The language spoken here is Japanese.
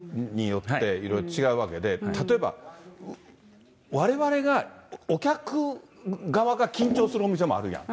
西野君が言うみたいに、お客様によっていろいろ違うわけで、例えばわれわれがお客側が緊張するお店もあるやん。